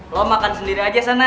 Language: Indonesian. lo makan sendiri aja sana